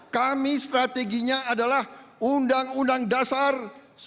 kami strateginya adalah undang undang darurat